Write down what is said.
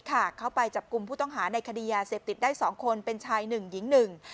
เข้าไปจับกลุ่มผู้ต้องหาในคดียาเสพติดได้สองคนเป็นชายหนึ่งหญิงหนึ่ง